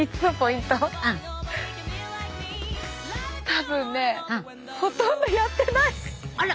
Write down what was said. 多分ねほとんどやってない。